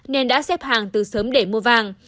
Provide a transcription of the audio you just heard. nên đã xếp hàng từ sớm để mua vàng